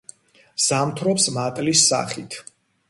ზამთრობს მატლის სახით.